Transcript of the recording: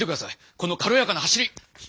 このかろやかな走り！